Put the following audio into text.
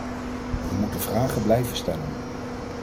We moeten vragen blijven stellen.